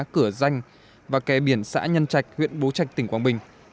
cửa danh và kè biển xã nhân trạch huyện bố trạch tỉnh quảng bình